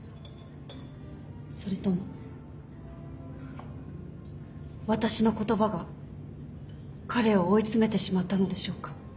それとも私の言葉が彼を追い詰めてしまったのでしょうか。